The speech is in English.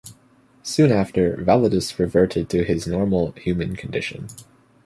Soon after, Validus reverted to his normal, human condition.